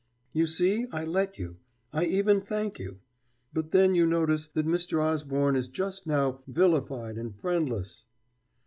'" "You see, I let you. I even thank you. But then you notice that Mr. Osborne is just now vilified and friendless."